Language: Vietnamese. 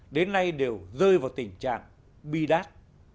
đến nay đều rơi vào tình trạng bi đát